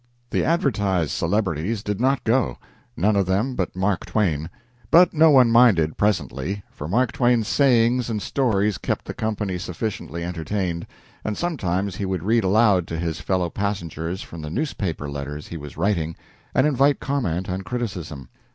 The advertised celebrities did not go, none of them but Mark Twain, but no one minded, presently, for Mark Twain's sayings and stories kept the company sufficiently entertained, and sometimes he would read aloud to his fellow passengers from the newspaper letters he was writing, and invite comment and criticism.